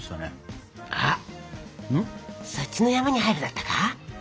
あっそっちの「ヤマに入る」だったか？